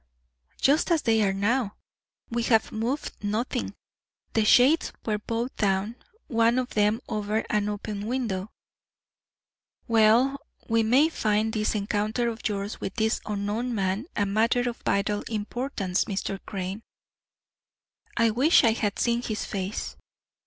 "Just as they are now; we have moved nothing. The shades were both down one of them over an open window." "Well, we may find this encounter of yours with this unknown man a matter of vital importance, Mr. Crane." "I wish I had seen his face."